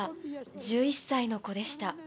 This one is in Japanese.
１１歳の子でした。